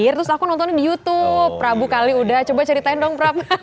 year terus aku nonton di youtube prabu kali udah coba ceritain dong prab